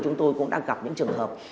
chúng tôi cũng đang gặp những trường hợp